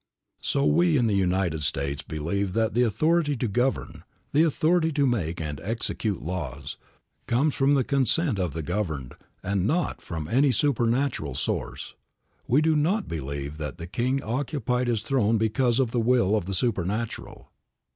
So we in the United States believe that the authority to govern, the authority to make and execute laws, comes from the consent of the governed and not from any supernatural source. We do not believe that the king occupied his throne because of the will of the supernatural.